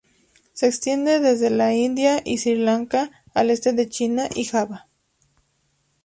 Se extiende desde la India y Sri Lanka al este de China y Java.